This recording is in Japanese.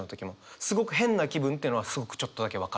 すごく「変な気分」っていうのはすごくちょっとだけ分かるんですよね。